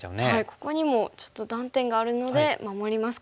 ここにもちょっと断点があるので守りますか。